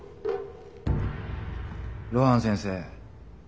露伴先生